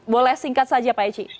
boleh singkat saja pak eci